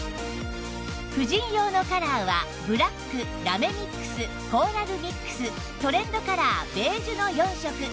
婦人用のカラーはブラックラメミックスコーラルミックストレンドカラーベージュの４色